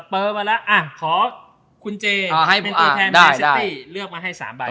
เบอร์มาแล้วขอคุณเจเป็นตัวแทนที่เซฟตี้เลือกมาให้๓ใบ